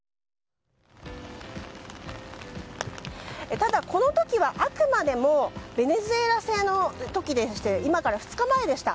ただ、この時はあくまでもベネズエラ戦の時でして今から２日前でした。